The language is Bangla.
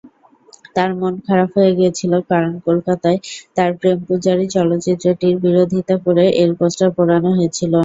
তার মন খারাপ হয়ে গিয়েছিলো কারণ কোলকাতায় তার 'প্রেম পূজারী' চলচ্চিত্রটির বিরোধিতা করে এর পোস্টার পোড়ানো হয়েছিলো।